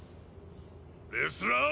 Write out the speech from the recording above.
レスラー！